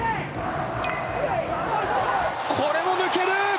これも抜ける！